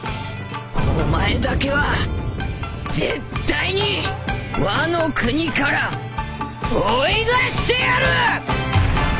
お前だけは絶対にワノ国から追い出してやる！！